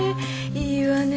いいわね